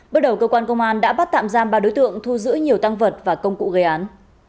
bước đầu cơ quan công an đã bắt tạm giam ba đối tượng thu giữ nhiều tăng vật và công cụ gây án